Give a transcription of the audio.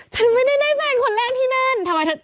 ฉันไม่ได้แฟนคนแรกที่นั่น